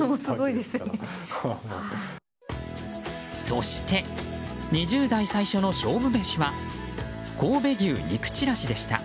そして２０代最初の勝負メシは神戸牛肉ちらしでした。